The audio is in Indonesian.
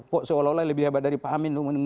kok seolah olah lebih hebat dari pak amin